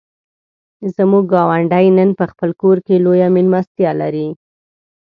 زموږ ګاونډی نن په خپل کور کې لویه مېلمستیا لري.